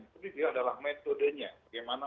lebih lebih adalah metodenya bagaimana